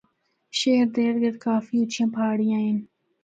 شہر دے ارد گرد کافی اُچیاں پہاڑیاں ہن۔